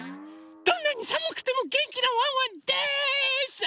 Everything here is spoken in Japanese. どんなにさむくてもげんきなワンワンです！